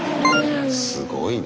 すごいね。